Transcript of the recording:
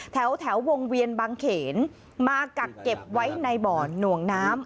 แถววงเวียนบางเขนมากักเก็บไว้ในบ่อหน่วงน้ำ